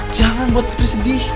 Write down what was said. jangan buat putri sedih